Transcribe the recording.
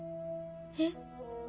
えっ？